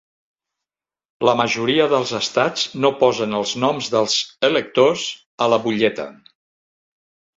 La majoria dels estats no posen els noms dels electors a la butlleta.